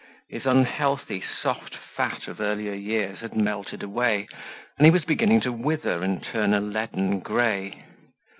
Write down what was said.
His unhealthy soft fat of earlier years had melted away and he was beginning to wither and turn a leaden grey.